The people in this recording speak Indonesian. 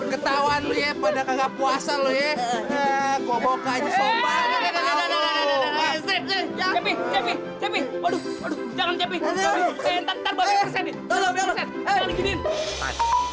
ketauan liep pada kagak puasa lo ya